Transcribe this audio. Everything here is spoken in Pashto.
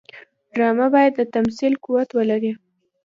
ډرامه باید د تمثیل قوت ولري